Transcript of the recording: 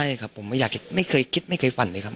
ใช่ครับผมไม่อยากไม่เคยคิดไม่เคยฝันเลยครับ